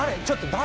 誰？